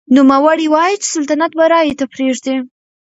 نوموړي وايي چې سلطنت به رایې ته پرېږدي.